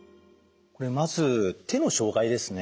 まず手の障害ですね。